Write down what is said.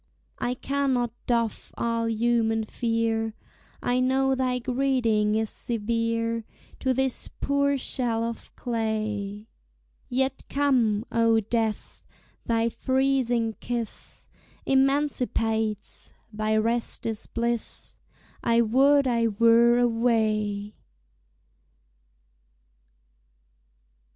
I cannot doff all human fear; I know thy greeting is severe To this poor shell of clay: Yet come, O Death! thy freezing kiss Emancipates! thy rest is bliss! I would I were away!